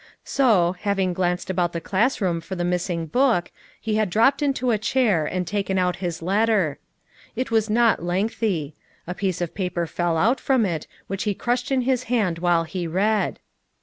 So, having glanced about the class room for the missing book he had dropped into a chair and taken out his letter. It was not lengthy. A piece of paper fell out from it which he crushed in his hand while he read.